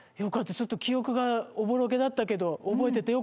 ちょっと記憶がおぼろげだったけど。